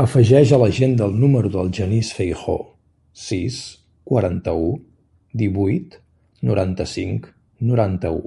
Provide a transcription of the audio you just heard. Afegeix a l'agenda el número del Genís Feijoo: sis, quaranta-u, divuit, noranta-cinc, noranta-u.